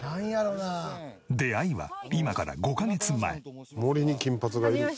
出会いは今から５カ月前。